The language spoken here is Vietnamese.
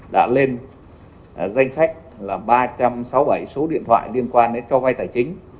đã lên danh sách là ba trăm sáu mươi bảy số điện thoại liên quan đến cho vai tài chính